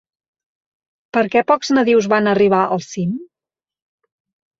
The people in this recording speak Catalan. Per què pocs nadius van arribar al cim?